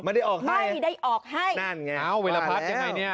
ไม่ได้ออกให้ไม่ได้ออกให้นั่นไงเอ้าวิรพัฒน์ยังไงเนี่ย